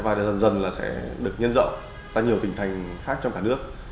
và dần dần sẽ được nhân dậu ra nhiều tỉnh thành khác trong cả nước